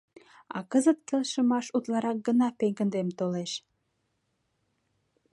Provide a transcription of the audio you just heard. А кызыт келшымаш утларак гына пеҥгыдем толеш.